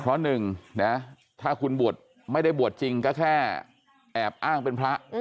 เพราะหนึ่งนะถ้าคุณบวชไม่ได้บวชจริงก็แค่แอบอ้างเป็นพระ